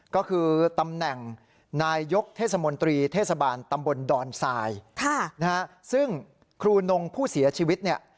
ก็คือตำแหน่งนายยกเทศมนตรีเทศบาลตำบลดอนทรายซึ่งครูนงผู้เสียชีวิตเนี่ย